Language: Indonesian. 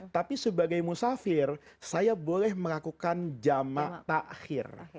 tapi sebagai musafir saya boleh melakukan jamak takhir